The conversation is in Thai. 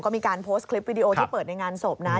ก็มีการโพสต์คลิปวิดีโอที่เปิดในงานศพนะ